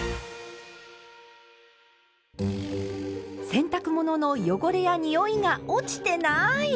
洗濯物の汚れやにおいが落ちてない！